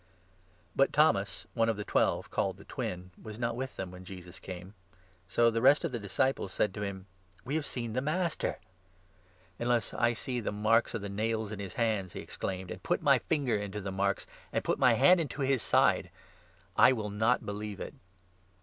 jesus But Thomas, one of the Twelve, called ' The 24 appears to Twin,' was not with them when Jesus came ; so 25 Thomas. the rest of the disciples said to him : "We have seen the Master !"" Unless I see the marks of the nails in his hands," he ex claimed, "and put my finger into the marks, and. put my hand into his side, I will not believe it."